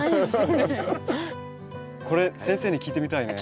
これ先生に聞いてみたいね。